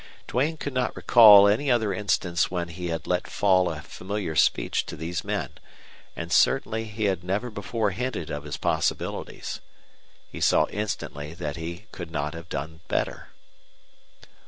Duane could not recall any other instance where he had let fall a familiar speech to these men, and certainly he had never before hinted of his possibilities. He saw instantly that he could not have done better.